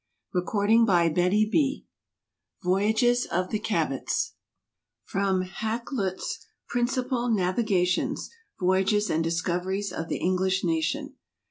THE EARLY EXPLORERS The Voyages of the Cabots From Hakluyt's "Principal Navigations, Voyages and Discoveries of the English Nation."